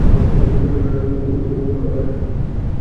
পরিবার হারালেও উনি পরোয়া করেন না।